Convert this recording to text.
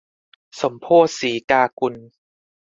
สมโภชน์ สีกากุล